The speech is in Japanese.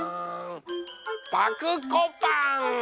パクこパン！